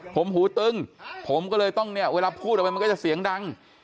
ผมหูตึงผมก็เลยต้องเนี่ยเวลาพูดออกไปมันก็จะเสียงดัง